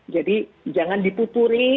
jadi jangan diputuri